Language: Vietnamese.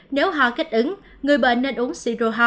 nếu ho kích ứng người bệnh nên uống siro ho